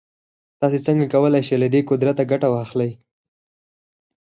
تاسې څنګه کولای شئ له دې قدرته ګټه واخلئ.